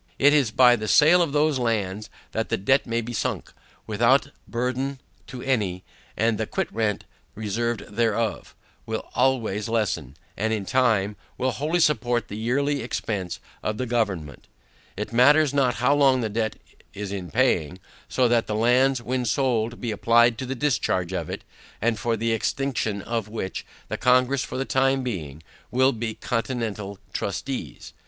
It is by the sale of those lands that the debt may be sunk, without burthen to any, and the quit rent reserved thereon, will always lessen, and in time, will wholly support the yearly expence of government. It matters not how long the debt is in paying, so that the lands when sold be applied to the discharge of it, and for the execution of which, the Congress for the time being, will be the continental trustees.